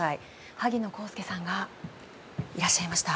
萩野公介さんがいらっしゃいました。